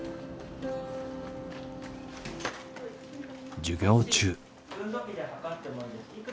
授業中。